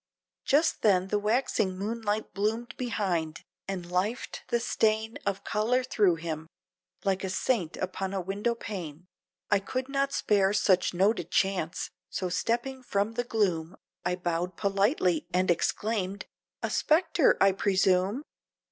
Just then the waxing moonlight bloomed behind, and lifed the stain Of color thro' him, like a Saint upon a window pane, I could not spare such noted chance; so stepping from the gloom, I bowed politely and exclaimed "A Spectre I presume?"